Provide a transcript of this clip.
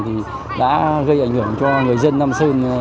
thì đã gây ảnh hưởng cho người dân nam sơn